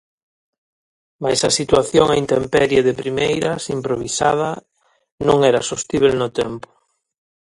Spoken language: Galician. Mais a situación á intemperie de primeiras improvisada non era sostíbel no tempo.